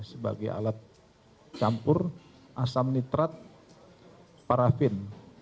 sebagai alat campur asam nitrat parafin